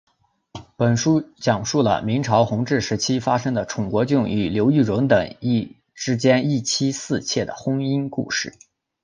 本书讲述了明朝弘治时期发生的庞国俊与刘玉蓉等之间一妻四妾的婚姻故事。